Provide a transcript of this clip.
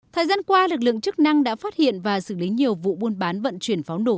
thời gian qua lực lượng chức năng đã phát hiện và xử lý nhiều vụ buôn bán vận chuyển pháo nổ